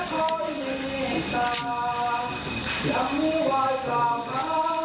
ทั้งนี้รักและคอยเห็นตายังหูวายตามฮะ